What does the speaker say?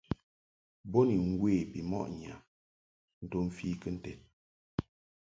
Bo ni mwe bimɔʼ ŋyam nto mfi kɨnted.